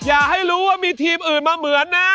อย่าให้รู้ว่ามีทีมอื่นมาเหมือนนะ